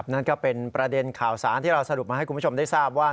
นั่นก็เป็นประเด็นข่าวสารที่เราสรุปมาให้คุณผู้ชมได้ทราบว่า